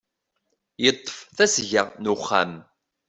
Yeṭṭef tasga n uxxam.